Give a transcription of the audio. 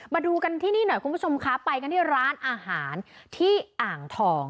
มาดูกันที่นี่หน่อยคุณผู้ชมคะไปกันที่ร้านอาหารที่อ่างทอง